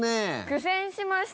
苦戦しました。